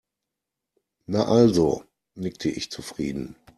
Na also, nickte ich zufrieden.